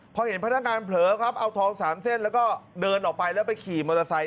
พอเห็นพนักงานเผลอครับเอาทอง๓เส้นแล้วก็เดินออกไปแล้วไปขี่มอเตอร์ไซค